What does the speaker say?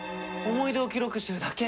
思い出を記録してるだけ！